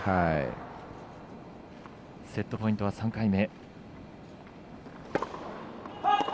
セットポイントは３回目。